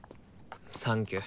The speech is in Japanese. サンキュ。